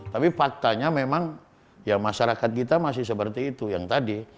tapi faktanya memang ya masyarakat kita masih seperti itu yang tadi